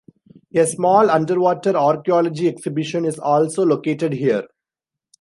A small underwater archeology exhibition is also located here.